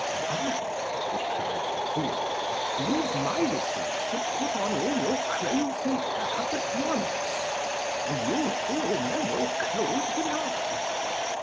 "Why," replied the fool, "use my receipt to put on all your clothes you have at once, and you'll feel no more cold than I."